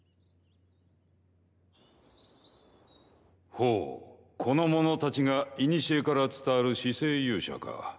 ほうこの者たちがいにしえから伝わる四聖勇者か。